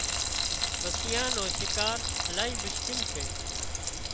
مسيان نوشڪار الاهي مشڪل سي